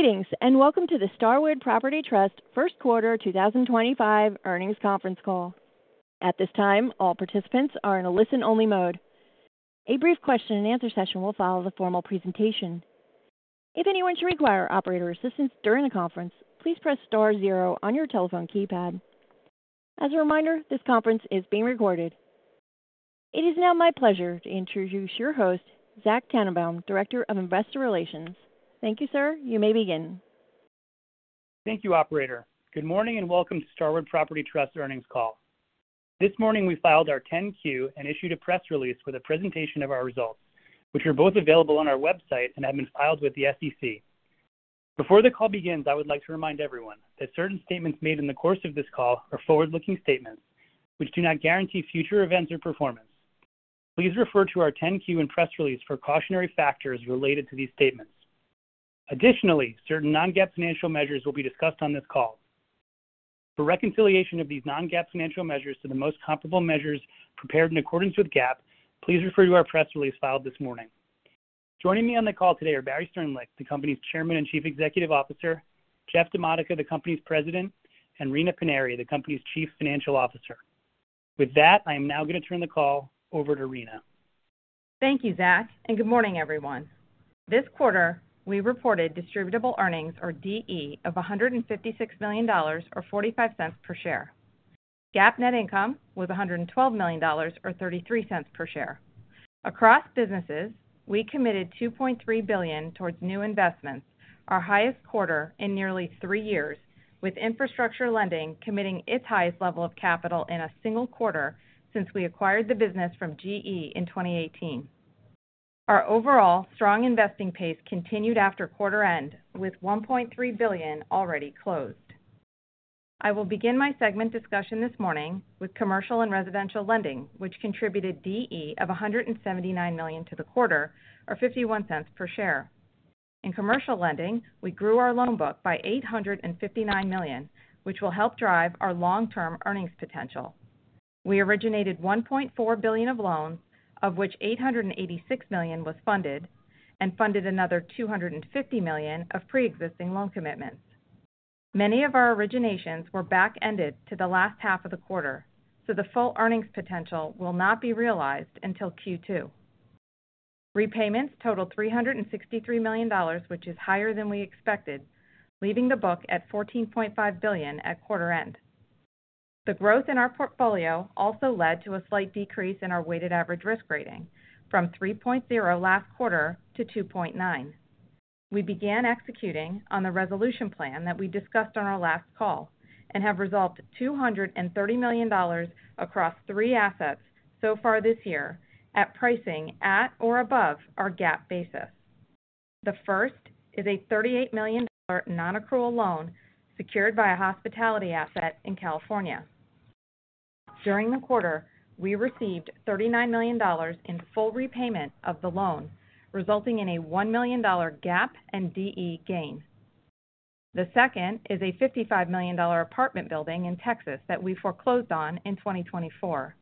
Greetings and welcome to the Starwood Property Trust First Quarter 2025 earnings conference call. At this time, all participants are in a listen-only mode. A brief question-and-answer session will follow the formal presentation. If anyone should require operator assistance during the conference, please press star zero on your telephone keypad. As a reminder, this conference is being recorded. It is now my pleasure to introduce your host, Zack Tanenbaum, Director of Investor Relations. Thank you, sir. You may begin. Thank you, Operator. Good morning and welcome to Starwood Property Trust earnings call. This morning, we filed our 10Q and issued a press release with a presentation of our results, which are both available on our website and have been filed with the SEC. Before the call begins, I would like to remind everyone that certain statements made in the course of this call are forward-looking statements, which do not guarantee future events or performance. Please refer to our 10Q and press release for cautionary factors related to these statements. Additionally, certain non-GAAP financial measures will be discussed on this call. For reconciliation of these non-GAAP financial measures to the most comparable measures prepared in accordance with GAAP, please refer to our press release filed this morning. Joining me on the call today are Barry Sternlicht, the company's Chairman and Chief Executive Officer, Jeff Dimodica, the company's President, and Rina Paniry, the company's Chief Financial Officer. With that, I am now going to turn the call over to Rina. Thank you, Zack. Good morning, everyone. This quarter, we reported distributable earnings, or DE, of $1.56 per share. GAAP net income was $1.12 per share. Across businesses, we committed $2.3 billion towards new investments, our highest quarter in nearly three years, with infrastructure lending committing its highest level of capital in a single quarter since we acquired the business from GE in 2018. Our overall strong investing pace continued after quarter end, with $1.3 billion already closed. I will begin my segment discussion this morning with commercial and residential lending, which contributed DE of $179 million to the quarter, or $0.51 per share. In commercial lending, we grew our loan book by $859 million, which will help drive our long-term earnings potential. We originated $1.4 billion of loans, of which $886 million was funded, and funded another $250 million of pre-existing loan commitments. Many of our originations were back-ended to the last half of the quarter, so the full earnings potential will not be realized until Q2. Repayments totaled $363 million, which is higher than we expected, leaving the book at $14.5 billion at quarter end. The growth in our portfolio also led to a slight decrease in our weighted average risk rating, from 3.0 last quarter to 2.9. We began executing on the resolution plan that we discussed on our last call and have resolved $230 million across three assets so far this year at pricing at or above our GAAP basis. The first is a $38 million non-accrual loan secured by a hospitality asset in California. During the quarter, we received $39 million in full repayment of the loan, resulting in a $1 million GAAP and DE gain. The second is a $55 million apartment building in Texas that we foreclosed on in 2024.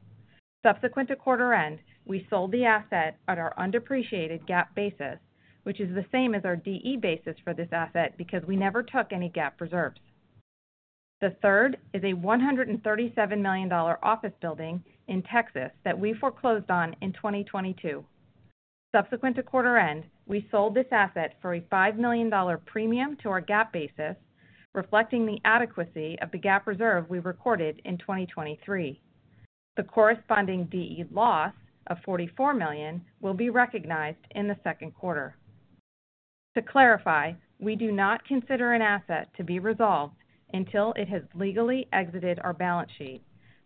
Subsequent to quarter end, we sold the asset at our undepreciated GAAP basis, which is the same as our DE basis for this asset because we never took any GAAP reserves. The third is a $137 million office building in Texas that we foreclosed on in 2022. Subsequent to quarter end, we sold this asset for a $5 million premium to our GAAP basis, reflecting the adequacy of the GAAP reserve we recorded in 2023. The corresponding DE loss of $44 million will be recognized in the second quarter. To clarify, we do not consider an asset to be resolved until it has legally exited our balance sheet,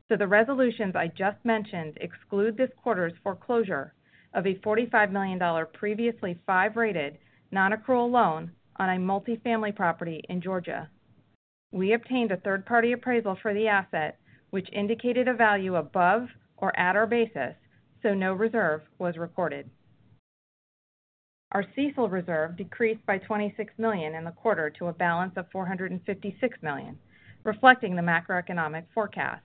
so the resolutions I just mentioned exclude this quarter's foreclosure of a $45 million, previously five-rated, non-accrual loan on a multifamily property in Georgia. We obtained a third-party appraisal for the asset, which indicated a value above or at our basis, so no reserve was recorded. Our CECL reserve decreased by $26 million in the quarter to a balance of $456 million, reflecting the macroeconomic forecast.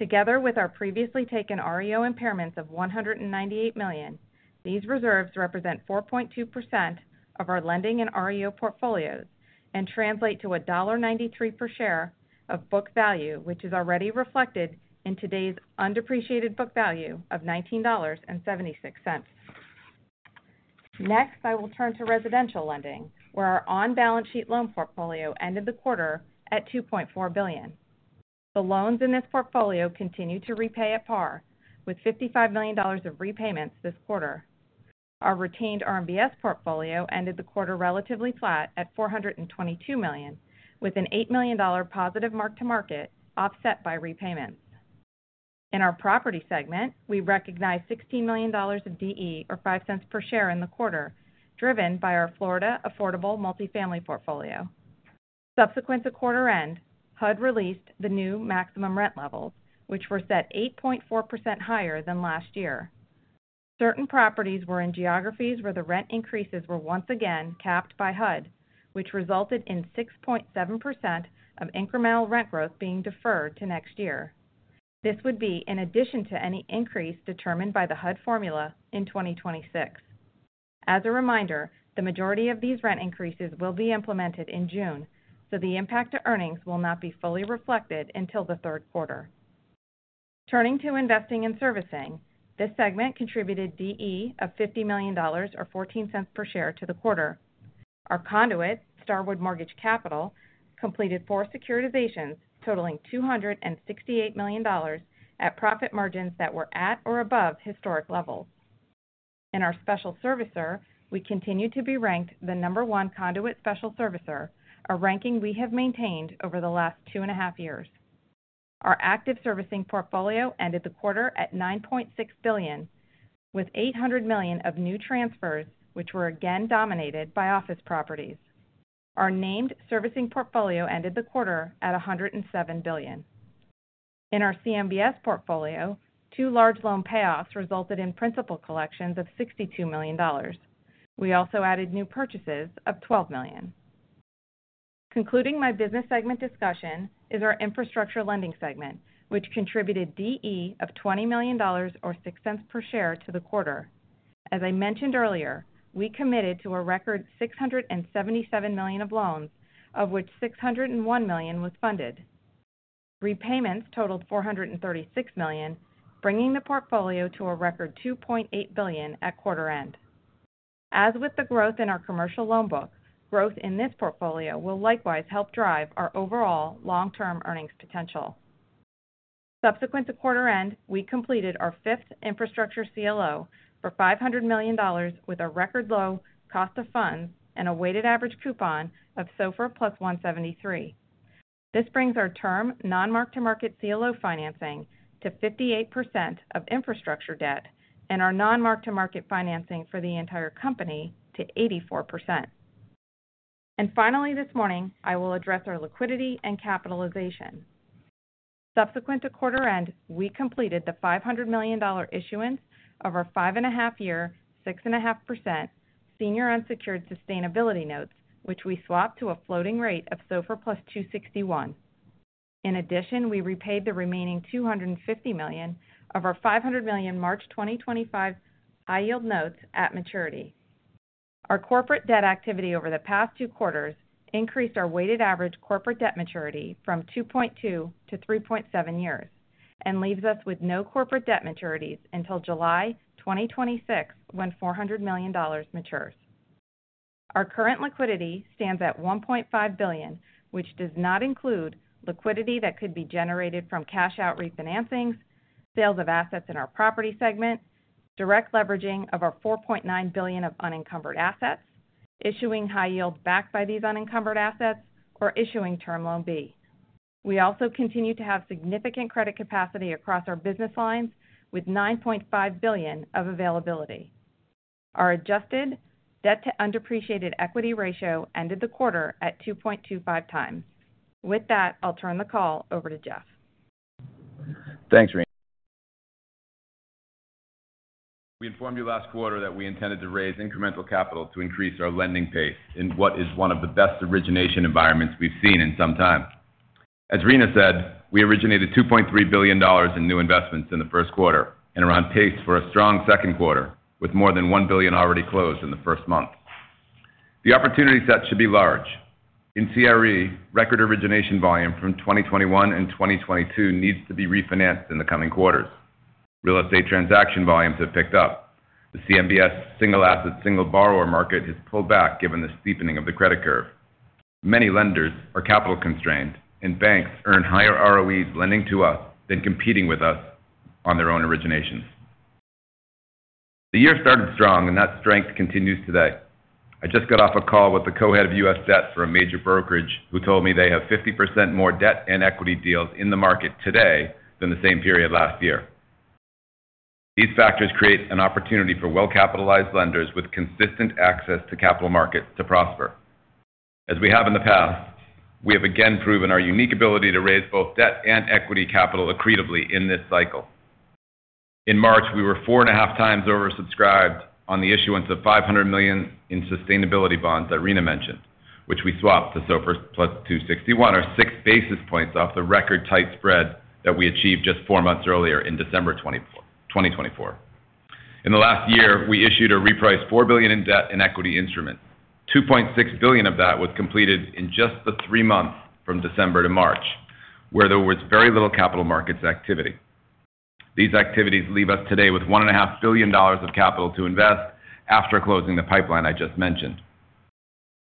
Together with our previously taken REO impairments of $198 million, these reserves represent 4.2% of our lending and REO portfolios and translate to a $1.93 per share of book value, which is already reflected in today's undepreciated book value of $19.76. Next, I will turn to residential lending, where our on-balance sheet loan portfolio ended the quarter at $2.4 billion. The loans in this portfolio continue to repay at par, with $55 million of repayments this quarter. Our retained RMBS portfolio ended the quarter relatively flat at $422 million, with an $8 million positive mark-to-market offset by repayments. In our property segment, we recognized $16 million of DE, or $0.05 per share, in the quarter, driven by our Florida affordable multifamily portfolio. Subsequent to quarter end, HUD released the new maximum rent levels, which were set 8.4% higher than last year. Certain properties were in geographies where the rent increases were once again capped by HUD, which resulted in 6.7% of incremental rent growth being deferred to next year. This would be in addition to any increase determined by the HUD formula in 2026. As a reminder, the majority of these rent increases will be implemented in June, so the impact to earnings will not be fully reflected until the third quarter. Turning to investing and servicing, this segment contributed DE of $50 million, or $0.14 per share, to the quarter. Our conduit, Starwood Mortgage Capital, completed four securitizations totaling $268 million at profit margins that were at or above historic levels. In our special servicer, we continue to be ranked the number one conduit special servicer, a ranking we have maintained over the last two and a half years. Our active servicing portfolio ended the quarter at $9.6 billion, with $800 million of new transfers, which were again dominated by office properties. Our named servicing portfolio ended the quarter at $107 billion. In our CMBS portfolio, two large loan payoffs resulted in principal collections of $62 million. We also added new purchases of $12 million. Concluding my business segment discussion is our infrastructure lending segment, which contributed DE of $20 million, or $0.06 per share, to the quarter. As I mentioned earlier, we committed to a record $677 million of loans, of which $601 million was funded. Repayments totaled $436 million, bringing the portfolio to a record $2.8 billion at quarter end. As with the growth in our commercial loan book, growth in this portfolio will likewise help drive our overall long-term earnings potential. Subsequent to quarter end, we completed our fifth infrastructure CLO for $500 million, with a record low cost of funds and a weighted average coupon of SOFR plus 173. This brings our term non-mark-to-market CLO financing to 58% of infrastructure debt and our non-mark-to-market financing for the entire company to 84%. Finally, this morning, I will address our liquidity and capitalization. Subsequent to quarter end, we completed the $500 million issuance of our five-and-a-half-year, 6.5% senior unsecured sustainability notes, which we swapped to a floating rate of SOFR plus 261. In addition, we repaid the remaining $250 million of our $500 million March 2025 high-yield notes at maturity. Our corporate debt activity over the past two quarters increased our weighted average corporate debt maturity from 2.2 to 3.7 years and leaves us with no corporate debt maturities until July 2026 when $400 million matures. Our current liquidity stands at $1.5 billion, which does not include liquidity that could be generated from cash-out refinancings, sales of assets in our property segment, direct leveraging of our $4.9 billion of unencumbered assets, issuing high-yield backed by these unencumbered assets, or issuing term loan B. We also continue to have significant credit capacity across our business lines, with $9.5 billion of availability. Our adjusted debt-to-undepreciated equity ratio ended the quarter at 2.25 times. With that, I'll turn the call over to Jeff. Thanks, Rina. We informed you last quarter that we intended to raise incremental capital to increase our lending pace in what is one of the best origination environments we've seen in some time. As Rina said, we originated $2.3 billion in new investments in the first quarter and are on pace for a strong second quarter, with more than $1 billion already closed in the first month. The opportunity set should be large. In CRE, record origination volume from 2021 and 2022 needs to be refinanced in the coming quarters. Real estate transaction volumes have picked up. The CMBS single asset single borrower market has pulled back given the steepening of the credit curve. Many lenders are capital constrained, and banks earn higher ROEs lending to us than competing with us on their own originations. The year started strong, and that strength continues today. I just got off a call with the Co-Head of U.S. Debt for a major brokerage, who told me they have 50% more debt and equity deals in the market today than the same period last year. These factors create an opportunity for well-capitalized lenders with consistent access to capital markets to prosper. As we have in the past, we have again proven our unique ability to raise both debt and equity capital accretively in this cycle. In March, we were four and a half times oversubscribed on the issuance of $500 million in sustainability bonds that Rina mentioned, which we swapped to SOFR plus 261, or six basis points off the record-tight spread that we achieved just four months earlier in December 2024. In the last year, we issued or repriced $4 billion in debt and equity instruments. $2.6 billion of that was completed in just the three months from December to March, where there was very little capital markets activity. These activities leave us today with $1.5 billion of capital to invest after closing the pipeline I just mentioned.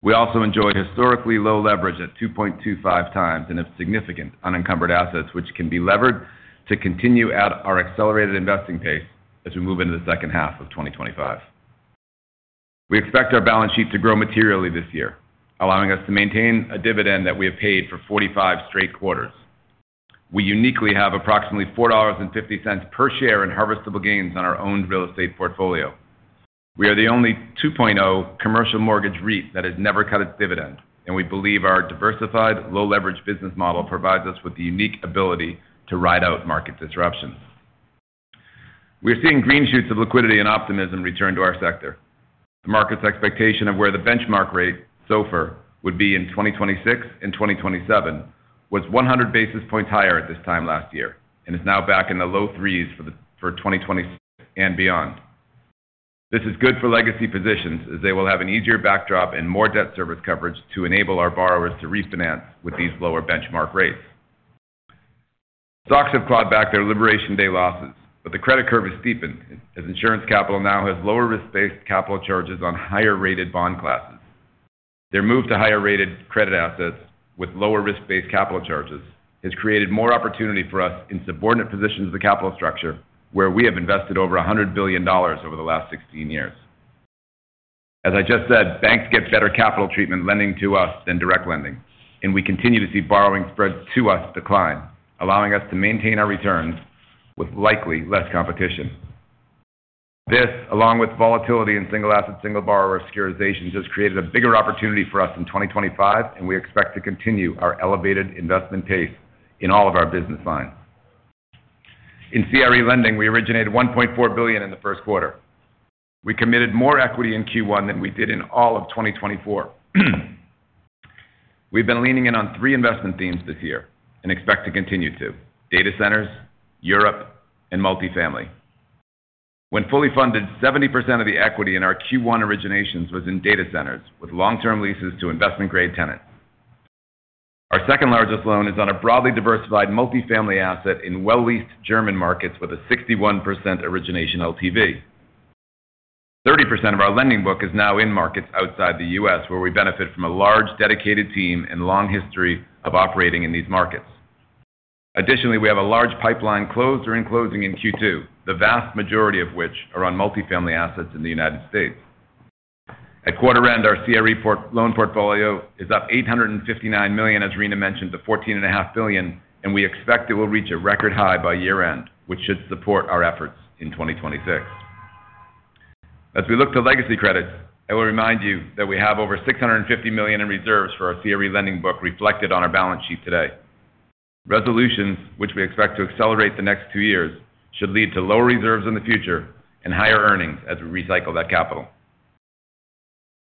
We also enjoy historically low leverage at 2.25 times and have significant unencumbered assets, which can be levered to continue at our accelerated investing pace as we move into the second half of 2025. We expect our balance sheet to grow materially this year, allowing us to maintain a dividend that we have paid for 45 straight quarters. We uniquely have approximately $4.50 per share in harvestable gains on our owned real estate portfolio. We are the only 2.0 commercial mortgage REIT that has never cut its dividend, and we believe our diversified, low-leverage business model provides us with the unique ability to ride out market disruptions. We are seeing green shoots of liquidity and optimism return to our sector. The market's expectation of where the benchmark rate, SOFR, would be in 2026 and 2027 was 100 basis points higher at this time last year and is now back in the low threes for 2026 and beyond. This is good for legacy positions, as they will have an easier backdrop and more debt service coverage to enable our borrowers to refinance with these lower benchmark rates. Stocks have clawed back their liberation day losses, but the credit curve has steepened as insurance capital now has lower risk-based capital charges on higher-rated bond classes. Their move to higher-rated credit assets with lower risk-based capital charges has created more opportunity for us in subordinate positions of the capital structure, where we have invested over $100 billion over the last 16 years. As I just said, banks get better capital treatment lending to us than direct lending, and we continue to see borrowing spreads to us decline, allowing us to maintain our returns with likely less competition. This, along with volatility in single asset single borrower securitization, has created a bigger opportunity for us in 2025, and we expect to continue our elevated investment pace in all of our business lines. In CRE lending, we originated $1.4 billion in the first quarter. We committed more equity in Q1 than we did in all of 2024. We've been leaning in on three investment themes this year and expect to continue to: data centers, Europe, and multifamily. When fully funded, 70% of the equity in our Q1 originations was in data centers with long-term leases to investment-grade tenants. Our second largest loan is on a broadly diversified multifamily asset in well-leased German markets with a 61% origination LTV. 30% of our lending book is now in markets outside the U.S., where we benefit from a large, dedicated team and long history of operating in these markets. Additionally, we have a large pipeline closed or enclosing in Q2, the vast majority of which are on multifamily assets in the United States. At quarter end, our CRE loan portfolio is up $859 million, as Rina mentioned, to $14.5 billion, and we expect it will reach a record high by year-end, which should support our efforts in 2026. As we look to legacy credits, I will remind you that we have over $650 million in reserves for our CRE lending book reflected on our balance sheet today. Resolutions, which we expect to accelerate the next two years, should lead to lower reserves in the future and higher earnings as we recycle that capital.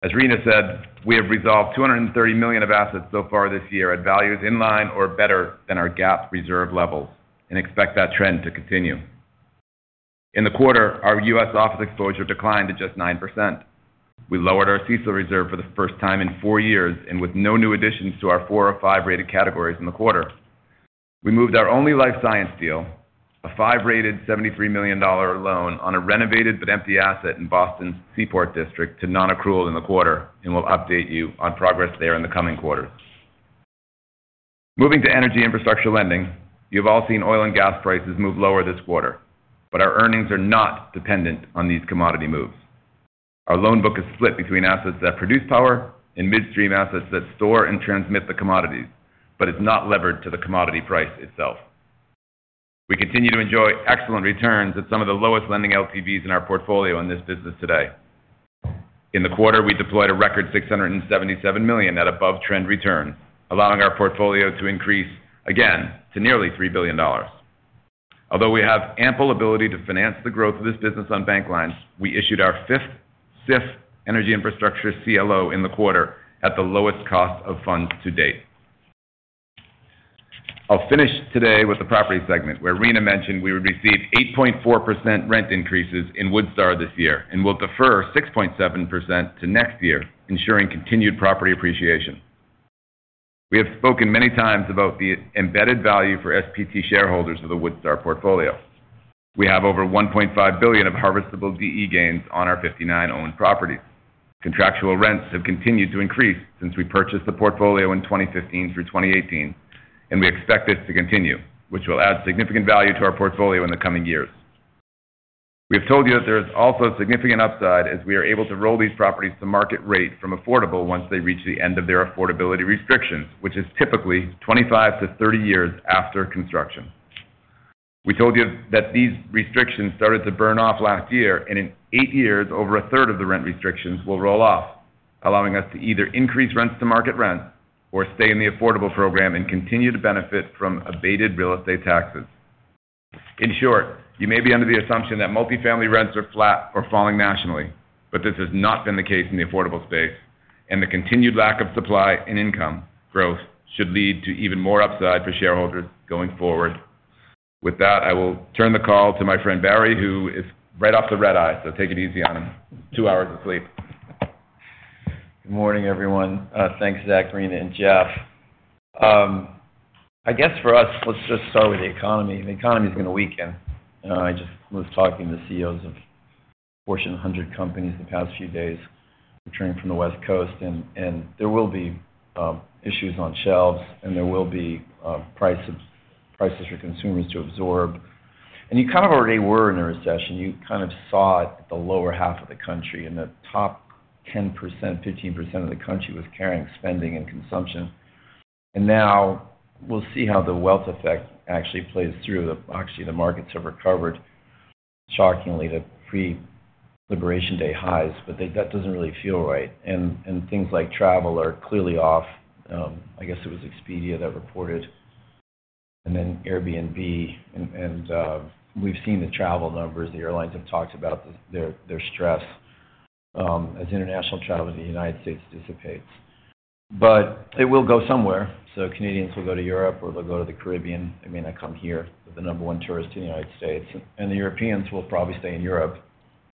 As Rina said, we have resolved $230 million of assets so far this year at values in line or better than our GAAP reserve levels and expect that trend to continue. In the quarter, our U.S. office exposure declined to just 9%. We lowered our CECL reserve for the first time in four years and with no new additions to our four or five-rated categories in the quarter. We moved our only life science deal, a five-rated $73 million loan on a renovated but empty asset in Boston's Seaport District, to non-accrual in the quarter and will update you on progress there in the coming quarters. Moving to energy infrastructure lending, you have all seen oil and gas prices move lower this quarter, but our earnings are not dependent on these commodity moves. Our loan book is split between assets that produce power and midstream assets that store and transmit the commodities, but it's not levered to the commodity price itself. We continue to enjoy excellent returns at some of the lowest lending LTVs in our portfolio in this business today. In the quarter, we deployed a record $677 million at above-trend returns, allowing our portfolio to increase again to nearly $3 billion. Although we have ample ability to finance the growth of this business on bank lines, we issued our fifth SIF energy infrastructure CLO in the quarter at the lowest cost of funds to date. I'll finish today with the property segment, where Rina mentioned we would receive 8.4% rent increases in Woodstar this year and will defer 6.7% to next year, ensuring continued property appreciation. We have spoken many times about the embedded value for SPT shareholders of the Woodstar portfolio. We have over $1.5 billion of harvestable DE gains on our 59 owned properties. Contractual rents have continued to increase since we purchased the portfolio in 2015 through 2018, and we expect this to continue, which will add significant value to our portfolio in the coming years. We have told you that there is also significant upside as we are able to roll these properties to market rate from affordable once they reach the end of their affordability restrictions, which is typically 25-30 years after construction. We told you that these restrictions started to burn off last year, and in eight years, over a third of the rent restrictions will roll off, allowing us to either increase rents to market rent or stay in the affordable program and continue to benefit from abated real estate taxes. In short, you may be under the assumption that multifamily rents are flat or falling nationally, but this has not been the case in the affordable space, and the continued lack of supply and income growth should lead to even more upside for shareholders going forward. With that, I will turn the call to my friend Barry, who is right off the red eye, so take it easy on him. Two hours of sleep. Good morning, everyone. Thanks, Zack, Rina, and Jeff. I guess for us, let's just start with the economy. The economy is going to weaken. I just was talking to CEOs of Fortune 100 companies the past few days, returning from the West Coast, and there will be issues on shelves, and there will be prices for consumers to absorb. You kind of already were in a recession. You kind of saw it at the lower half of the country, and the top 10%-15% of the country was carrying spending and consumption. Now we'll see how the wealth effect actually plays through. Actually, the markets have recovered shockingly to pre-liberation day highs, but that does not really feel right. Things like travel are clearly off. I guess it was Expedia that reported, and then Airbnb, and we've seen the travel numbers. The airlines have talked about their stress as international travel to the U.S. dissipates. It will go somewhere. Canadians will go to Europe, or they'll go to the Caribbean. They may not come here, but the number one tourist in the U.S. And the Europeans will probably stay in Europe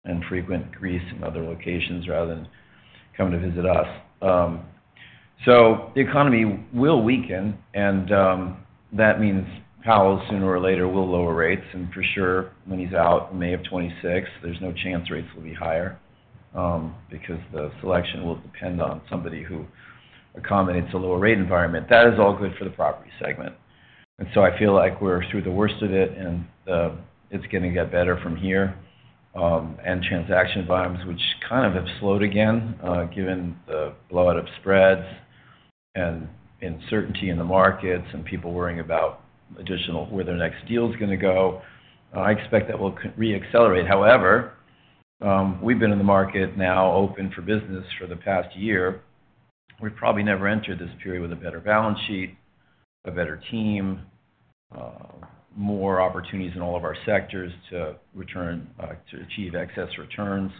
and frequent Greece and other locations rather than come to visit us. The economy will weaken, and that means Powell, sooner or later, will lower rates. For sure, when he's out in May of 2026, there's no chance rates will be higher because the selection will depend on somebody who accommodates a lower rate environment. That is all good for the property segment. I feel like we're through the worst of it, and it's going to get better from here. Transaction volumes, which kind of have slowed again given the blowout of spreads and uncertainty in the markets and people worrying about where their next deal is going to go. I expect that will re-accelerate. However, we've been in the market now open for business for the past year. We've probably never entered this period with a better balance sheet, a better team, more opportunities in all of our sectors to achieve excess returns.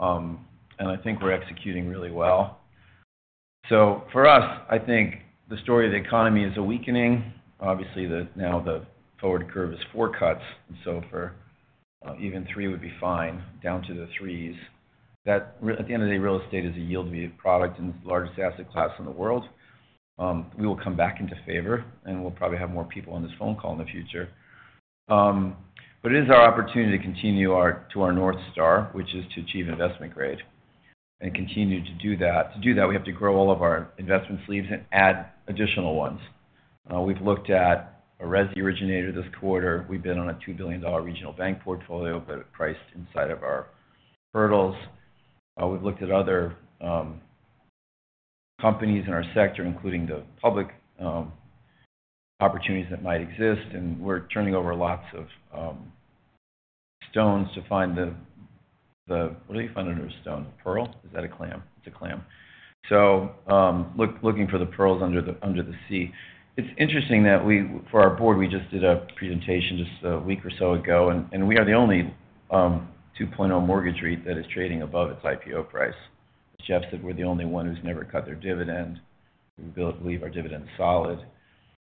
I think we're executing really well. For us, I think the story of the economy is a weakening. Obviously, now the forward curve is four cuts, and so for even three would be fine, down to the threes. At the end of the day, real estate is a yield-weighted product in the largest asset class in the world. We will come back into favor, and we'll probably have more people on this phone call in the future. It is our opportunity to continue to our North Star, which is to achieve investment grade and continue to do that. To do that, we have to grow all of our investment sleeves and add additional ones. We've looked at a RESI originator this quarter. We've been on a $2 billion regional bank portfolio, but it priced inside of our hurdles. We've looked at other companies in our sector, including the public opportunities that might exist, and we're turning over lots of stones to find the—what do you find under a stone? A pearl? Is that a clam? It's a clam. Looking for the pearls under the sea. It's interesting that for our board, we just did a presentation just a week or so ago, and we are the only 2.0 mortgage REIT that is trading above its IPO price. As Jeff said, we're the only one who's never cut their dividend. We believe our dividend is solid.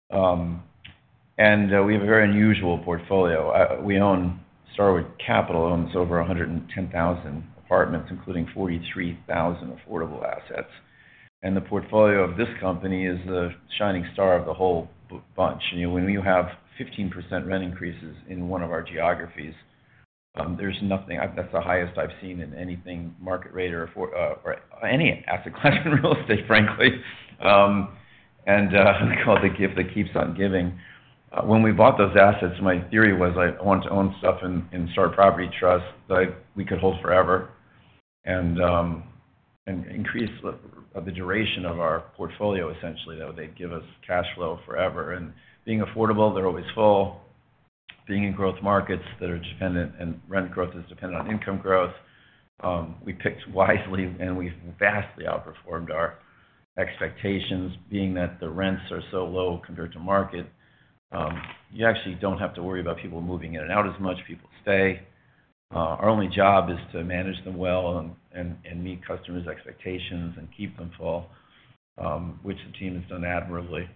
We have a very unusual portfolio. We own Starwood Capital, owns over 110,000 apartments, including 43,000 affordable assets. The portfolio of this company is the shining star of the whole bunch. When you have 15% rent increases in one of our geographies, there's nothing—that's the highest I've seen in anything market rate or any asset class in real estate, frankly. They call it the gift that keeps on giving. When we bought those assets, my theory was I wanted to own stuff in Starwood Property Trust that we could hold forever and increase the duration of our portfolio, essentially. They'd give us cash flow forever. Being affordable, they're always full. Being in growth markets that are dependent and rent growth is dependent on income growth, we picked wisely, and we've vastly outperformed our expectations, being that the rents are so low compared to market. You actually do not have to worry about people moving in and out as much. People stay. Our only job is to manage them well and meet customers' expectations and keep them full, which the team has done admirably.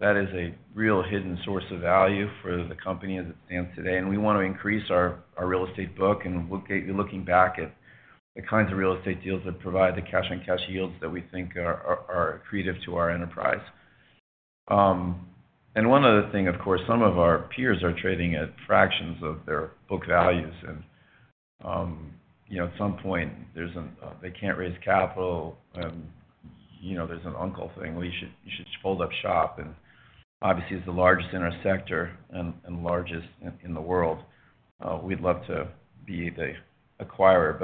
That is a real hidden source of value for the company as it stands today. We want to increase our real estate book, and we're looking back at the kinds of real estate deals that provide the cash-on-cash yields that we think are accretive to our enterprise. One other thing, of course, some of our peers are trading at fractions of their book values. At some point, they can't raise capital, and there's an uncle thing. You should fold up shop. Obviously, it's the largest in our sector and largest in the world. We'd love to be the acquirer.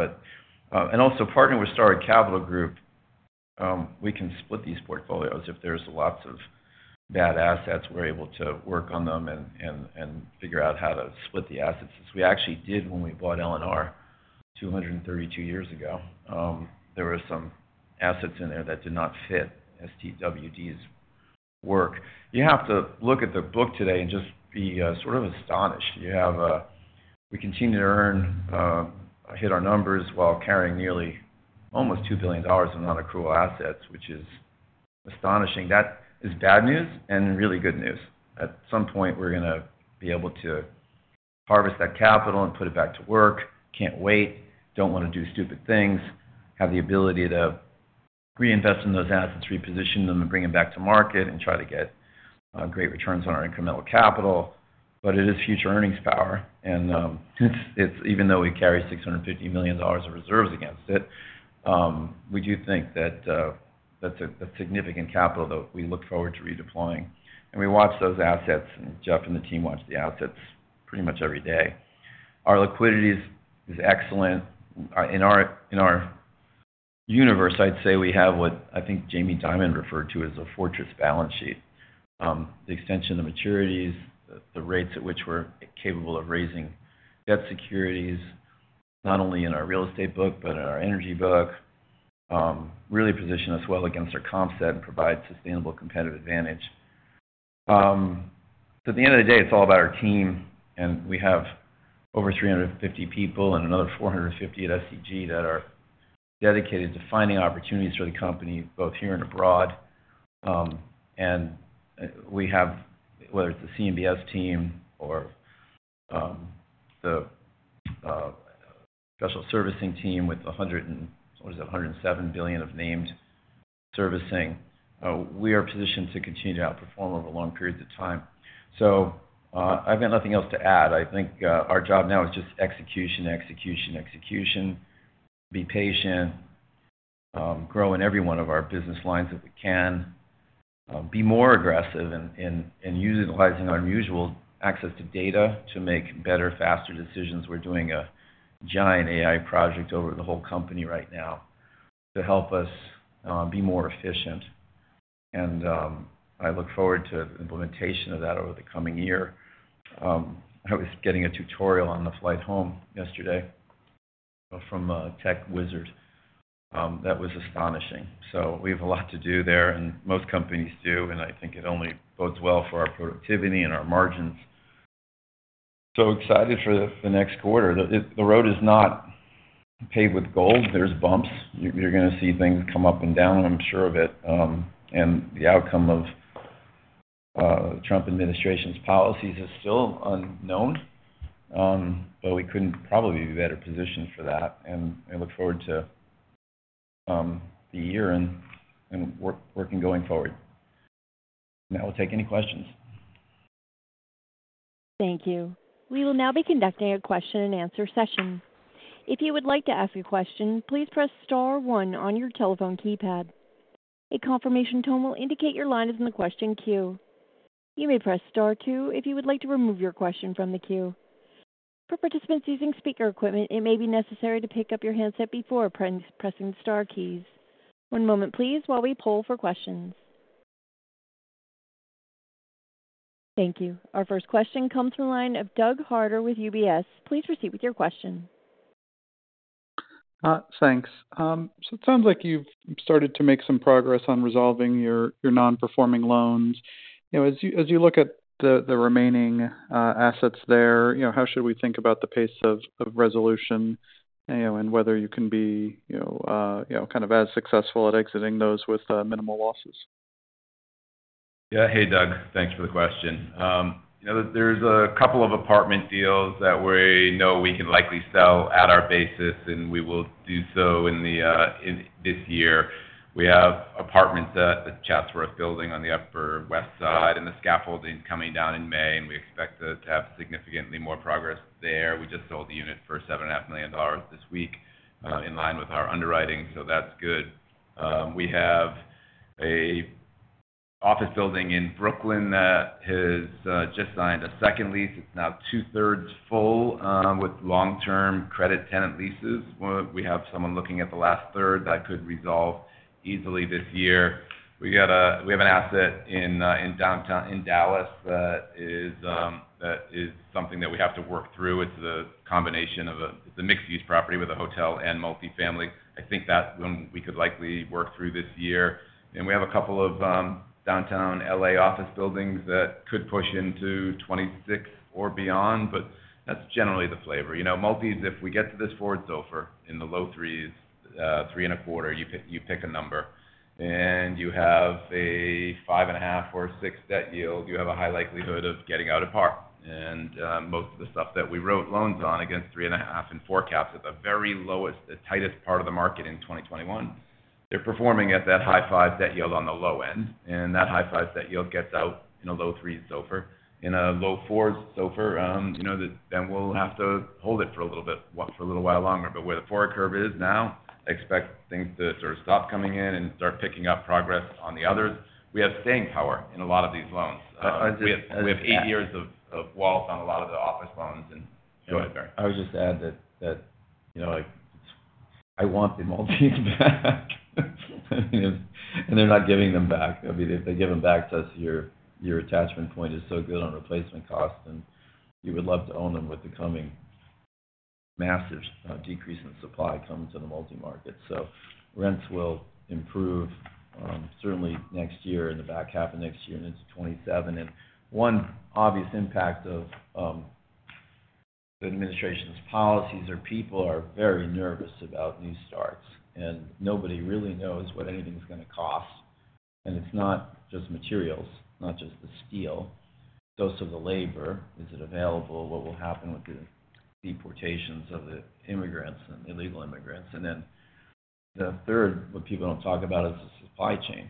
Also, partnering with Starwood Capital Group, we can split these portfolios if there's lots of bad assets. We're able to work on them and figure out how to split the assets, as we actually did when we bought LNR 23 years ago. There were some assets in there that did not fit STWD's work. You have to look at the book today and just be sort of astonished. We continue to earn, hit our numbers while carrying nearly almost $2 billion in non-accrual assets, which is astonishing. That is bad news and really good news. At some point, we're going to be able to harvest that capital and put it back to work. Can't wait. Don't want to do stupid things. Have the ability to reinvest in those assets, reposition them, and bring them back to market and try to get great returns on our incremental capital. It is future earnings power. Even though we carry $650 million of reserves against it, we do think that that's significant capital that we look forward to redeploying. We watch those assets, and Jeff and the team watch the assets pretty much every day. Our liquidity is excellent. In our universe, I'd say we have what I think Jamie Dimon referred to as a fortress balance sheet. The extension of maturities, the rates at which we're capable of raising debt securities, not only in our real estate book but in our energy book, really position us well against our comp set and provide sustainable competitive advantage. At the end of the day, it's all about our team. We have over 350 people and another 450 at SDG that are dedicated to finding opportunities for the company both here and abroad. We have, whether it's the CMBS team or the special servicing team with, what is it, $107 billion of named servicing, we are positioned to continue to outperform over long periods of time. I've got nothing else to add. I think our job now is just execution, execution, execution. Be patient. Grow in every one of our business lines that we can. Be more aggressive in utilizing our unusual access to data to make better, faster decisions. We are doing a giant AI project over the whole company right now to help us be more efficient. I look forward to the implementation of that over the coming year. I was getting a tutorial on the flight home yesterday from a tech wizard. That was astonishing. We have a lot to do there, and most companies do. I think it only bodes well for our productivity and our margins. Excited for the next quarter. The road is not paved with gold. There are bumps. You are going to see things come up and down, I am sure of it. The outcome of the Trump administration's policies is still unknown, but we could not probably be better positioned for that. I look forward to the year and working going forward. Now we'll take any questions. Thank you. We will now be conducting a question-and-answer session. If you would like to ask a question, please press Star 1 on your telephone keypad. A confirmation tone will indicate your line is in the question queue. You may press Star 2 if you would like to remove your question from the queue. For participants using speaker equipment, it may be necessary to pick up your handset before pressing the Star keys. One moment, please, while we poll for questions. Thank you. Our first question comes from the line of Douglas Michael Harter with UBS Investment Bank. Please proceed with your question. Thanks. It sounds like you've started to make some progress on resolving your non-performing loans. As you look at the remaining assets there, how should we think about the pace of resolution and whether you can be kind of as successful at exiting those with minimal losses? Yeah. Hey, Doug. Thanks for the question. There's a couple of apartment deals that we know we can likely sell at our basis, and we will do so this year. We have apartments at the Chatsworth building on the Upper West Side and the scaffolding coming down in May, and we expect to have significantly more progress there. We just sold the unit for $7.5 million this week in line with our underwriting, so that's good. We have an office building in Brooklyn that has just signed a second lease. It's now two-thirds full with long-term credit tenant leases. We have someone looking at the last third that could resolve easily this year. We have an asset in Dallas that is something that we have to work through. It's a combination of a mixed-use property with a hotel and multifamily. I think that one we could likely work through this year. We have a couple of downtown LA office buildings that could push into 2026 or beyond, but that is generally the flavor. Multies, if we get to this forward SOFR in the low threes, three and a quarter, you pick a number. You have a 5.5% or 6% debt yield, you have a high likelihood of getting out at par. Most of the stuff that we wrote loans on against 3.5% and 4% caps at the very lowest, the tightest part of the market in 2021, they are performing at that high 5% debt yield on the low end. That high 5% debt yield gets out in a low threes SOFR. In a low fours SOFR, we will have to hold it for a little while longer. Where the forward curve is now, I expect things to sort of stop coming in and start picking up progress on the others. We have staying power in a lot of these loans. We have eight years of walls on a lot of the office loans in Goedeberg. I would just add that I want the multies back, and they're not giving them back. I mean, if they give them back to us, your attachment point is so good on replacement costs, and you would love to own them with the coming massive decrease in supply coming to the multi-market. Rents will improve certainly next year and the back half of next year into 2027. One obvious impact of the administration's policies is people are very nervous about new starts, and nobody really knows what anything's going to cost. It's not just materials, not just the steel. Those of the labor, is it available? What will happen with the deportations of the immigrants and illegal immigrants? The third, what people do not talk about is the supply chain.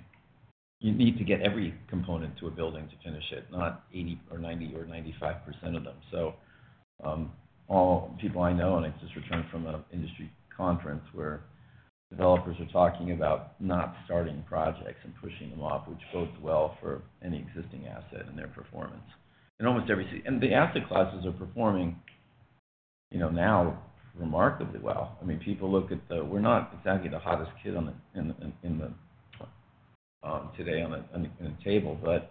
You need to get every component to a building to finish it, not 80% or 90% or 95% of them. All people I know, and I just returned from an industry conference where developers are talking about not starting projects and pushing them off, which bodes well for any existing asset and their performance. Almost every city and the asset classes are performing now remarkably well. I mean, people look at the—we're not exactly the hottest kid today on the table, but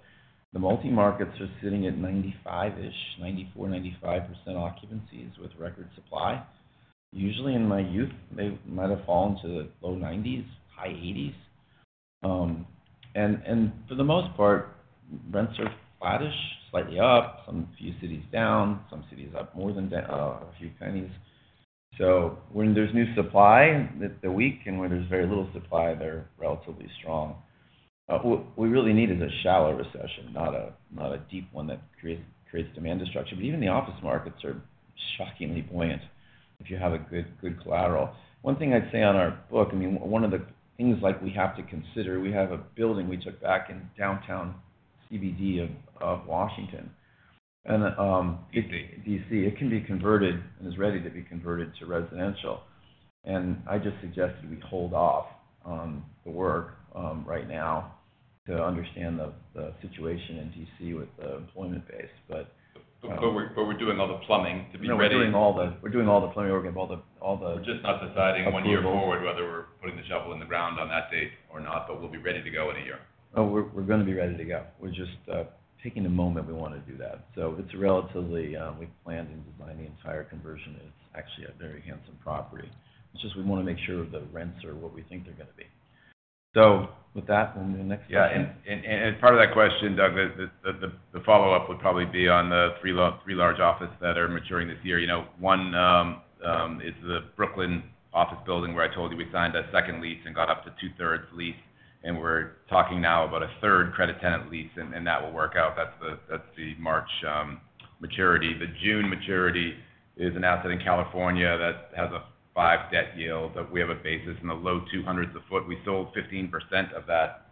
the multi-markets are sitting at 95%-ish, 94%, 95% occupancies with record supply. Usually, in my youth, they might have fallen to the low 90%, high 80%. For the most part, rents are flattish, slightly up, some few cities down, some cities up more than a few pennies. When there's new supply the week and when there's very little supply, they're relatively strong. What we really need is a shallow recession, not a deep one that creates demand destruction. Even the office markets are shockingly buoyant if you have good collateral. One thing I'd say on our book, I mean, one of the things we have to consider, we have a building we took back in downtown CBD of Washington. DC. DC. It can be converted and is ready to be converted to residential. I just suggested we hold off on the work right now to understand the situation in DC with the employment base. We're doing all the plumbing to be ready. No, we're doing all the plumbing. We're going to have all the. We're just not deciding one year forward whether we're putting the shovel in the ground on that date or not, but we'll be ready to go in a year. Oh, we're going to be ready to go. We're just picking a moment we want to do that. It's a relatively—we've planned and designed the entire conversion. It's actually a very handsome property. It's just we want to make sure the rents are what we think they're going to be. With that, we'll move to the next question. Yeah. Part of that question, Doug, the follow-up would probably be on the three large office that are maturing this year. One is the Brooklyn office building where I told you we signed a second lease and got up to two-thirds lease. We are talking now about a third credit tenant lease, and that will work out. That is the March maturity. The June maturity is an asset in California that has a 5% debt yield that we have a basis in the low $200s a sq ft. We sold 15% of that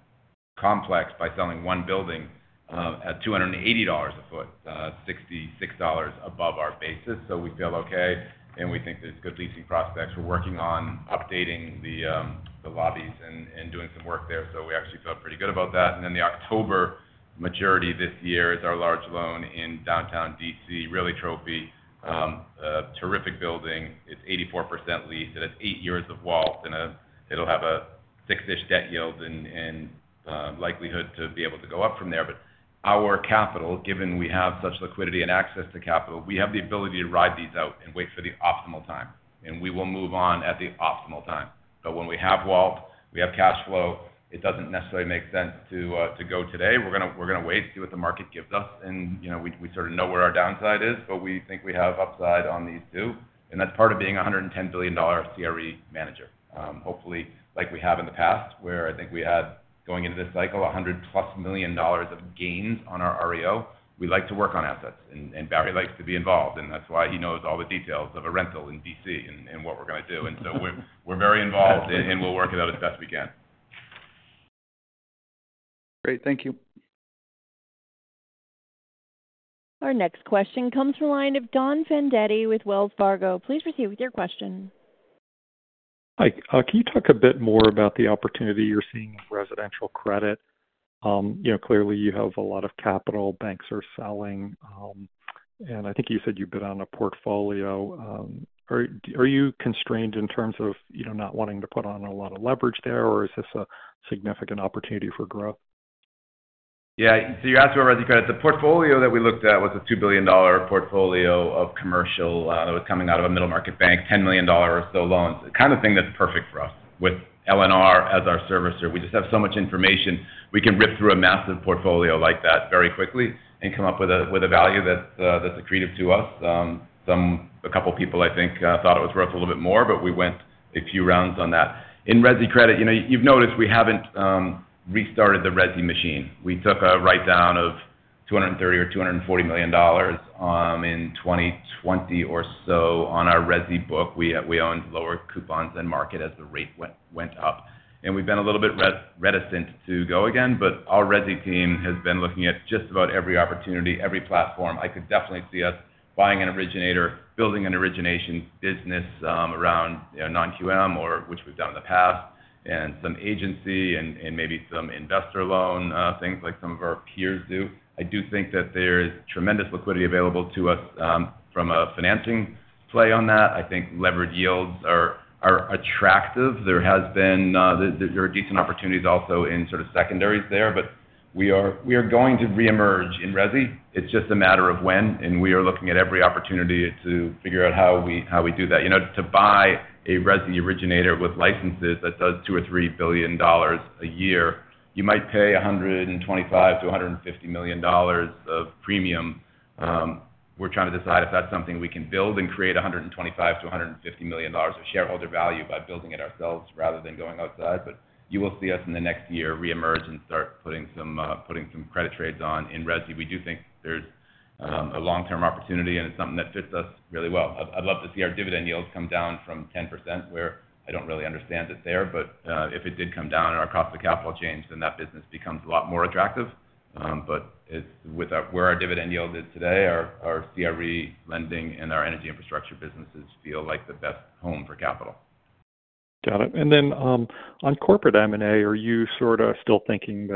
complex by selling one building at $280 a sq ft, $66 above our basis. We feel okay, and we think there are good leasing prospects. We are working on updating the lobbies and doing some work there. We actually feel pretty good about that. The October maturity this year is our large loan in downtown DC, Riley Trophy, a terrific building. It's 84% leased. It has eight years of walls, and it'll have a six-ish debt yield and likelihood to be able to go up from there. Our capital, given we have such liquidity and access to capital, gives us the ability to ride these out and wait for the optimal time. We will move on at the optimal time. When we have walls, we have cash flow, it doesn't necessarily make sense to go today. We're going to wait, see what the market gives us. We sort of know where our downside is, but we think we have upside on these too. That's part of being a $110 billion CRE manager. Hopefully, like we have in the past, where I think we had, going into this cycle, $100 million-plus of gains on our REO. We like to work on assets, and Barry likes to be involved. That is why he knows all the details of a rental in DC and what we are going to do. We are very involved, and we will work it out as best we can. Great. Thank you. Our next question comes from the line of Donald Fandetti with Wells Fargo Securities. Please proceed with your question. Hi. Can you talk a bit more about the opportunity you're seeing in residential credit? Clearly, you have a lot of capital. Banks are selling. I think you said you've been on a portfolio. Are you constrained in terms of not wanting to put on a lot of leverage there, or is this a significant opportunity for growth? Yeah. You asked about residential credit. The portfolio that we looked at was a $2 billion portfolio of commercial that was coming out of a middle-market bank, $10 million or so loans, the kind of thing that's perfect for us with LNR as our servicer. We just have so much information. We can rip through a massive portfolio like that very quickly and come up with a value that's accretive to us. A couple of people, I think, thought it was worth a little bit more, but we went a few rounds on that. In Resi Credit, you've noticed we haven't restarted the Resi machine. We took a write-down of $230 million or $240 million in 2020 or so on our Resi book. We owned lower coupons than market as the rate went up. We've been a little bit reticent to go again, but our Resi team has been looking at just about every opportunity, every platform. I could definitely see us buying an originator, building an origination business around non-QM, which we've done in the past, and some agency and maybe some investor loan things like some of our peers do. I do think that there is tremendous liquidity available to us from a financing play on that. I think levered yields are attractive. There are decent opportunities also in sort of secondaries there, but we are going to reemerge in Resi. It's just a matter of when, and we are looking at every opportunity to figure out how we do that. To buy a Resi originator with licenses that does $2 billion-$3 billion a year, you might pay $125 million-$150 million of premium. We're trying to decide if that's something we can build and create $125 million-$150 million of shareholder value by building it ourselves rather than going outside. You will see us in the next year reemerge and start putting some credit trades on in Resi. We do think there's a long-term opportunity, and it's something that fits us really well. I'd love to see our dividend yields come down from 10%, where I don't really understand it there. If it did come down and our cost of capital changed, then that business becomes a lot more attractive. Where our dividend yield is today, our CRE lending and our energy infrastructure businesses feel like the best home for capital. Got it. On corporate M&A, are you sort of still thinking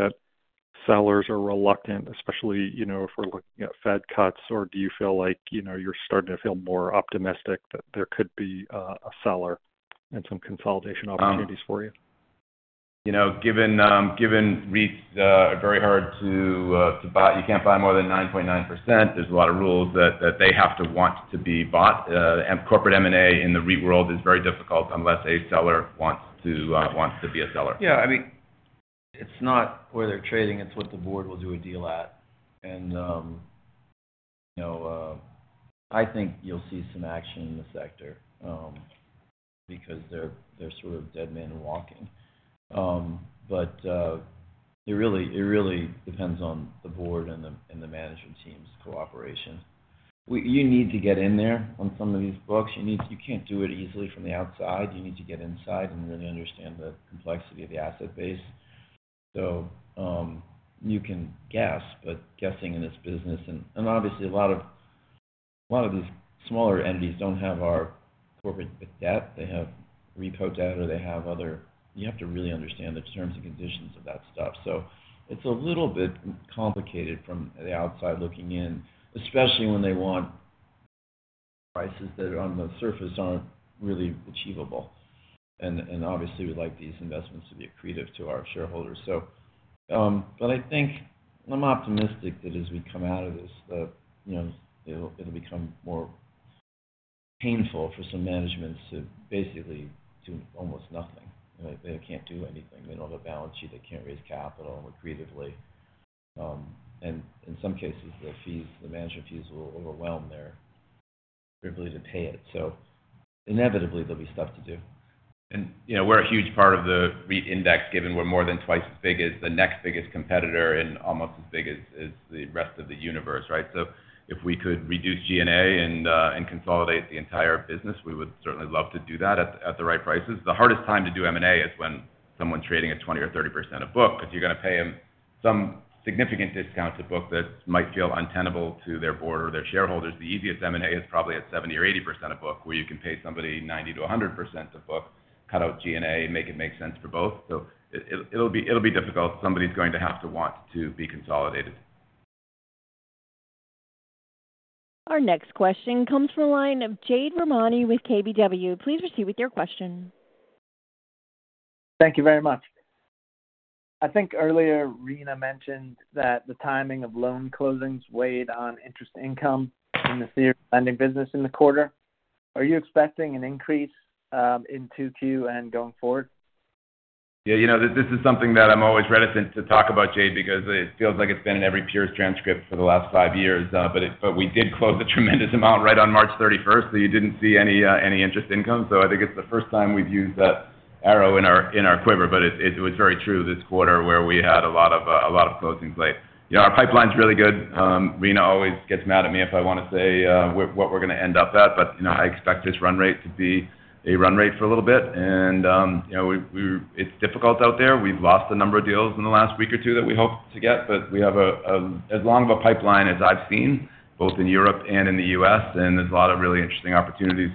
that sellers are reluctant, especially if we're looking at Fed cuts, or do you feel like you're starting to feel more optimistic that there could be a seller and some consolidation opportunities for you? Given REITs are very hard to buy. You can't buy more than 9.9%. There's a lot of rules that they have to want to be bought. Corporate M&A in the REIT world is very difficult unless a seller wants to be a seller. Yeah. I mean, it's not where they're trading. It's what the board will do a deal at. I think you'll see some action in the sector because they're sort of dead man walking. It really depends on the board and the management team's cooperation. You need to get in there on some of these books. You can't do it easily from the outside. You need to get inside and really understand the complexity of the asset base. You can guess, but guessing in this business and obviously, a lot of these smaller entities don't have our corporate debt. They have repo debt, or they have other—you have to really understand the terms and conditions of that stuff. It's a little bit complicated from the outside looking in, especially when they want prices that on the surface aren't really achievable. We'd like these investments to be accretive to our shareholders. I think I'm optimistic that as we come out of this, it'll become more painful for some managements to basically do almost nothing. They can't do anything. They don't have a balance sheet. They can't raise capital accretively. In some cases, the management fees will overwhelm their ability to pay it. Inevitably, there'll be stuff to do. We're a huge part of the REIT index, given we're more than twice as big as the next biggest competitor and almost as big as the rest of the universe, right? If we could reduce G&A and consolidate the entire business, we would certainly love to do that at the right prices. The hardest time to do M&A is when someone's trading at 20% or 30% of book because you're going to pay them some significant discount to book that might feel untenable to their board or their shareholders. The easiest M&A is probably at 70% or 80% of book, where you can pay somebody 90%-100% of book, cut out G&A, and make it make sense for both. It'll be difficult. Somebody's going to have to want to be consolidated. Our next question comes from the line of Jade Rahmani with KBW. Please proceed with your question. Thank you very much. I think earlier, Rina mentioned that the timing of loan closings weighed on interest income in the theory of lending business in the quarter. Are you expecting an increase in 2Q and going forward? Yeah. This is something that I'm always reticent to talk about, Jade, because it feels like it's been in every peer's transcript for the last five years. We did close a tremendous amount right on March 31, so you didn't see any interest income. I think it's the first time we've used that arrow in our quiver, but it was very true this quarter where we had a lot of closing play. Our pipeline's really good. Rina always gets mad at me if I want to say what we're going to end up at, but I expect this run rate to be a run rate for a little bit. It's difficult out there. We've lost a number of deals in the last week or two that we hoped to get, but we have as long of a pipeline as I've seen, both in Europe and in the U.S., and there's a lot of really interesting opportunities.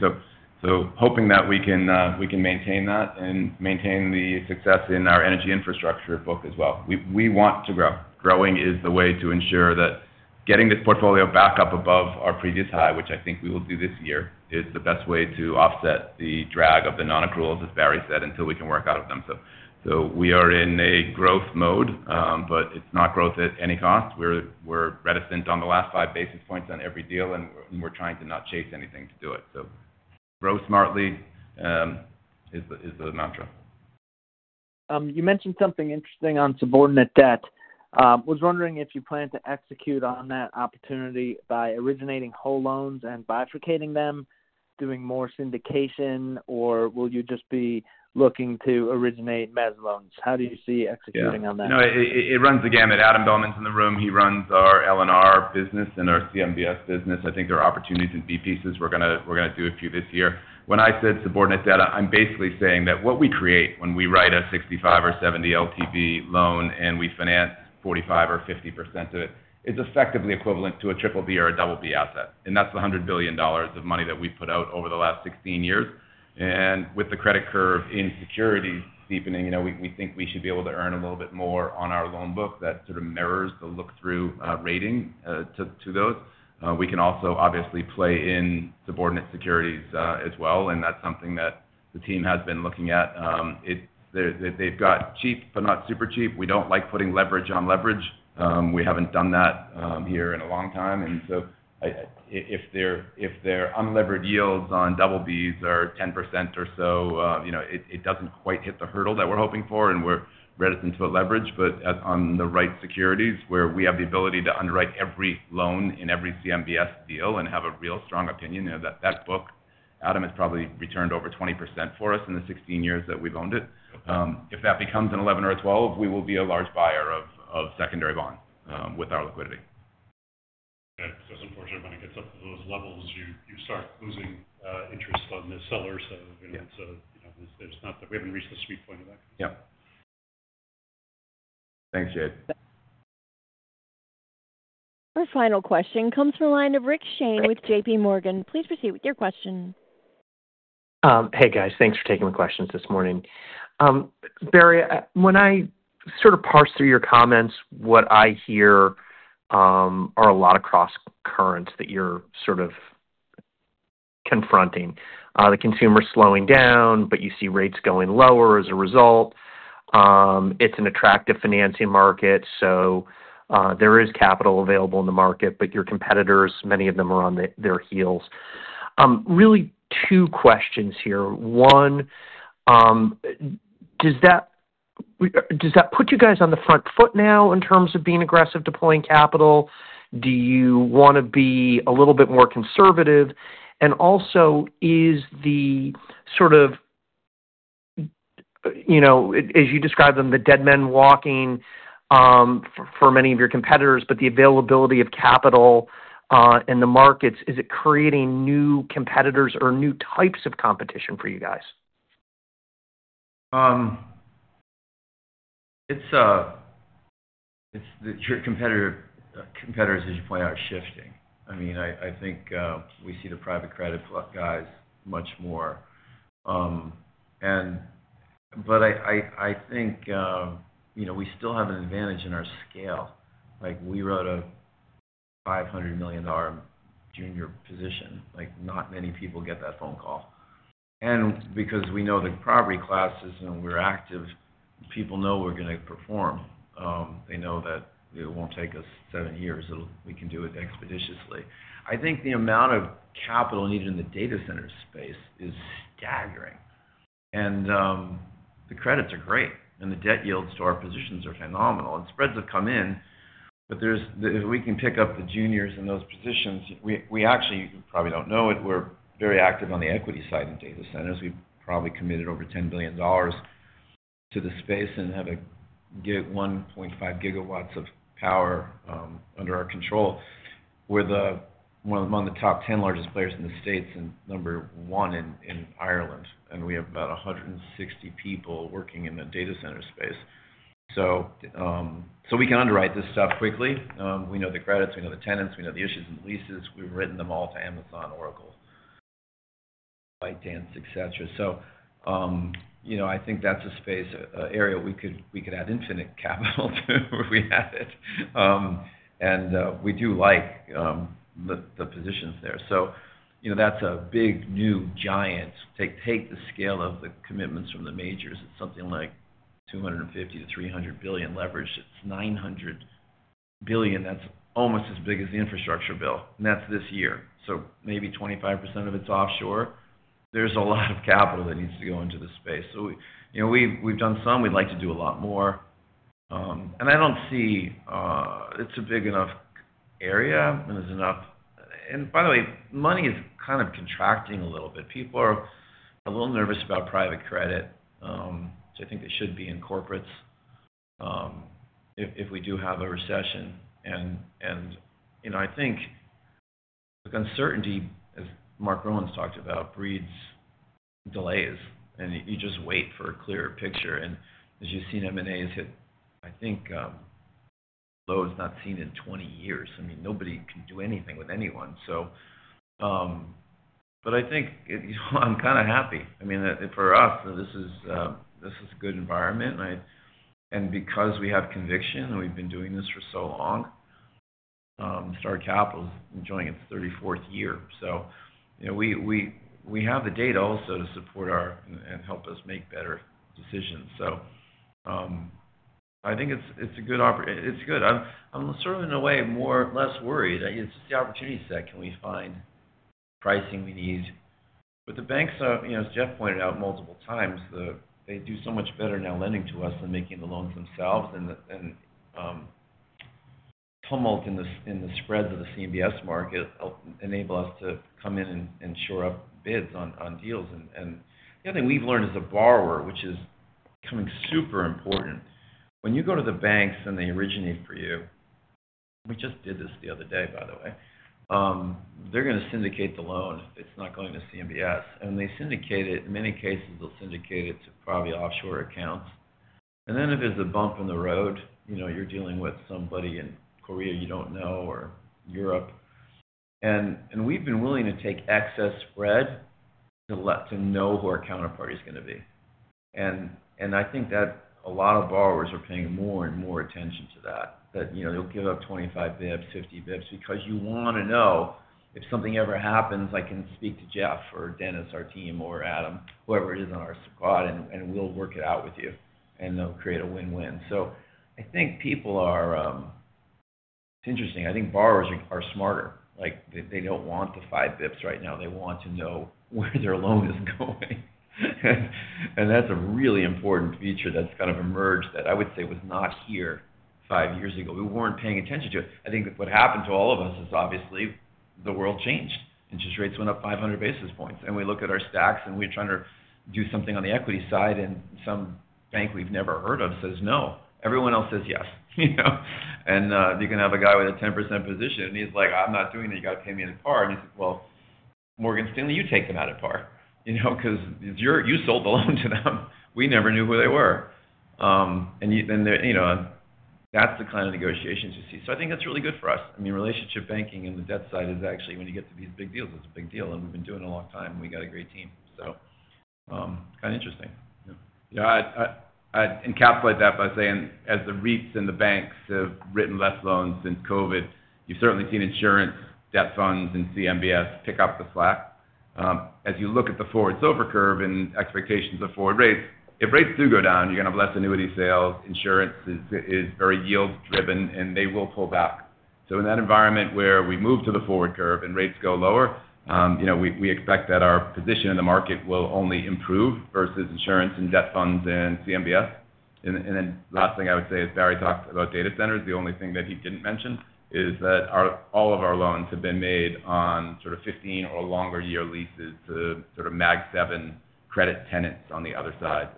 Hoping that we can maintain that and maintain the success in our energy infrastructure book as well. We want to grow. Growing is the way to ensure that getting this portfolio back up above our previous high, which I think we will do this year, is the best way to offset the drag of the non-accruals, as Barry said, until we can work out of them. We are in a growth mode, but it's not growth at any cost. We're reticent on the last five basis points on every deal, and we're trying to not chase anything to do it. Grow smartly is the mantra. You mentioned something interesting on subordinate debt. I was wondering if you plan to execute on that opportunity by originating whole loans and bifurcating them, doing more syndication, or will you just be looking to originate mezz loans? How do you see executing on that? Yeah. It runs the gamut. Adam Baumann's in the room. He runs our L&R business and our CMBS business. I think there are opportunities in B pieces. We're going to do a few this year. When I said subordinate debt, I'm basically saying that what we create when we write a 65% or 70% LTV loan and we finance 45% or 50% of it, it's effectively equivalent to a triple B or a double B asset. And that's the $100 billion of money that we've put out over the last 16 years. With the credit curve in securities deepening, we think we should be able to earn a little bit more on our loan book that sort of mirrors the look-through rating to those. We can also obviously play in subordinate securities as well, and that's something that the team has been looking at. They've got cheap but not super cheap. We don't like putting leverage on leverage. We haven't done that here in a long time. If their unlevered yields on double Bs are 10% or so, it doesn't quite hit the hurdle that we're hoping for, and we're reticent to add leverage. On the right securities, where we have the ability to underwrite every loan in every CMBS deal and have a real strong opinion, that book, Adam, has probably returned over 20% for us in the 16 years that we've owned it. If that becomes an 11% or a 12%, we will be a large buyer of secondary bonds with our liquidity. Okay. Unfortunately, when it gets up to those levels, you start losing interest on the sellers. There's not that we haven't reached the sweet point of that. Yeah. Thanks, Jade. Our final question comes from the line of Richard Shane with JPMorgan Chase & Co. Please proceed with your question. Hey, guys. Thanks for taking the questions this morning. Barry, when I sort of parse through your comments, what I hear are a lot of cross currents that you're sort of confronting. The consumer's slowing down, but you see rates going lower as a result. It's an attractive financing market, so there is capital available in the market, but your competitors, many of them are on their heels. Really two questions here. One, does that put you guys on the front foot now in terms of being aggressive deploying capital? Do you want to be a little bit more conservative? Also, is the sort of, as you describe them, the dead man walking for many of your competitors, but the availability of capital in the markets, is it creating new competitors or new types of competition for you guys? It's that your competitors, as you point out, are shifting. I mean, I think we see the private credit guys much more. I think we still have an advantage in our scale. We wrote a $500 million junior position. Not many people get that phone call. Because we know the property classes and we're active, people know we're going to perform. They know that it won't take us seven years. We can do it expeditiously. I think the amount of capital needed in the data center space is staggering. The credits are great, and the debt yields to our positions are phenomenal. Spreads have come in, but if we can pick up the juniors in those positions, we actually probably don't know it. We're very active on the equity side in data centers. We've probably committed over $10 billion to the space and have 1.5 gigawatts of power under our control. We're among the top 10 largest players in the U.S. and number one in Ireland. We have about 160 people working in the data center space. We can underwrite this stuff quickly. We know the credits. We know the tenants. We know the issues and the leases. We've written them all to Amazon, Oracle, ByteDance, etc. I think that's a space, an area we could add infinite capital to if we had it. We do like the positions there. That's a big new giant. Take the scale of the commitments from the majors. It's something like $250 billion-$300 billion leverage. It's $900 billion. That's almost as big as the infrastructure bill. That's this year. Maybe 25% of it's offshore. There's a lot of capital that needs to go into the space. So we've done some. We'd like to do a lot more. And I don't see it's a big enough area and there's enough. And by the way, money is kind of contracting a little bit. People are a little nervous about private credit, which I think they should be in corporates if we do have a recession. I think the uncertainty, as Marc Rowan's talked about, breeds delays. You just wait for a clearer picture. As you've seen, M&A has hit, I think, lows not seen in 20 years. I mean, nobody can do anything with anyone. I think I'm kind of happy. I mean, for us, this is a good environment. Because we have conviction and we've been doing this for so long, Starwood Capital Group is enjoying its 34th year. We have the data also to support our and help us make better decisions. I think it's a good opportunity. It's good. I'm sort of, in a way, less worried. It's just the opportunity set. Can we find the pricing we need? The banks, as Jeff pointed out multiple times, do so much better now lending to us than making the loans themselves. Tumult in the spreads of the CMBS market enables us to come in and shore up bids on deals. The other thing we've learned as a borrower, which is becoming super important, when you go to the banks and they originate for you—we just did this the other day, by the way—they're going to syndicate the loan. It's not going to CMBS. They syndicate it. In many cases, they'll syndicate it to probably offshore accounts. If there is a bump in the road, you are dealing with somebody in Korea you do not know or Europe. We have been willing to take excess spread to know who our counterparty is going to be. I think that a lot of borrowers are paying more and more attention to that, that they will give up 25 basis points, 50 basis points because you want to know if something ever happens, I can speak to Jeff or Dennis, our team, or Adam, whoever it is on our squad, and we will work it out with you. They will create a win-win. I think people are—it is interesting. I think borrowers are smarter. They do not want the five basis points right now. They want to know where their loan is going. That is a really important feature that has kind of emerged that I would say was not here five years ago. We were not paying attention to it. I think what happened to all of us is obviously the world changed. Interest rates went up 500 basis points. We look at our stacks, and we are trying to do something on the equity side, and some bank we have never heard of says no. Everyone else says yes. You can have a guy with a 10% position, and he is like, "I am not doing it. You got to pay me in part." He is like, "Morgan Stanley, you take them out of part because you sold the loan to them. We never knew who they were." That is the kind of negotiations you see. I think that is really good for us. I mean, relationship banking and the debt side is actually when you get to these big deals, it is a big deal. We've been doing it a long time, and we got a great team. Kind of interesting. Yeah. I'd encapsulate that by saying as the REITs and the banks have written less loans since COVID, you've certainly seen insurance, debt funds, and CMBS pick up the slack. As you look at the forward SOFR curve and expectations of forward rates, if rates do go down, you're going to have less annuity sales. Insurance is very yield-driven, and they will pull back. In that environment where we move to the forward curve and rates go lower, we expect that our position in the market will only improve versus insurance and debt funds and CMBS. The last thing I would say, as Barry talked about data centers, the only thing that he did not mention is that all of our loans have been made on sort of 15 or longer year leases to sort of Mag 7 credit tenants on the other side.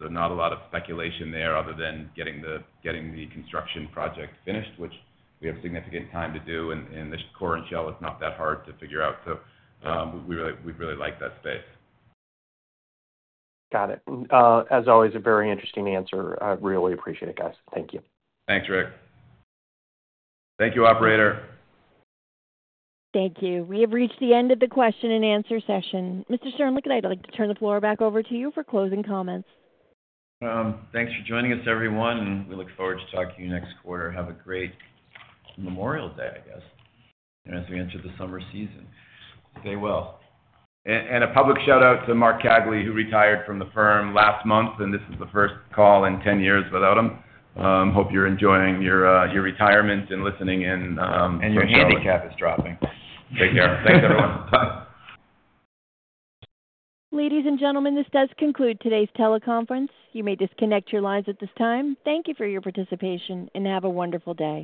Not a lot of speculation there other than getting the construction project finished, which we have significant time to do. This core and shell is not that hard to figure out. We really like that space. Got it. As always, a very interesting answer. I really appreciate it, guys. Thank you. Thanks, Rick. Thank you, operator. Thank you. We have reached the end of the question and answer session. Mr. Sternlicht, I'd like to turn the floor back over to you for closing comments. Thanks for joining us, everyone. We look forward to talking to you next quarter. Have a great Memorial Day, I guess, as we enter the summer season. Stay well. A public shout-out to Mark Cagley, who retired from the firm last month, and this is the first call in 10 years without him. Hope you're enjoying your retirement and listening and your handicap is dropping. Take care. Thanks, everyone. Bye. Ladies and gentlemen, this does conclude today's teleconference. You may disconnect your lines at this time. Thank you for your participation, and have a wonderful day.